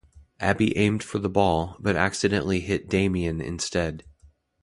Abby aimed for the ball, but accidentally hit Damien instead.